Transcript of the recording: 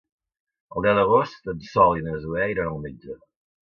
El deu d'agost en Sol i na Zoè iran al metge.